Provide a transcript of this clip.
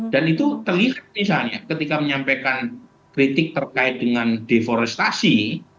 dan itu terlihat misalnya ketika menyampaikan kritik terkait dengan deforestasi